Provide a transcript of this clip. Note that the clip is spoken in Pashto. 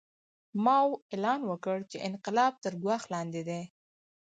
ماوو اعلان وکړ چې انقلاب تر ګواښ لاندې دی.